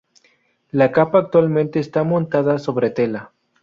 La capa actualmente está montada sobre tela.